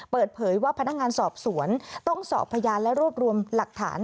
เปิดเผยว่าพนักงานสอบสวนต้องสอบพยานและรวบรวมหลักฐาน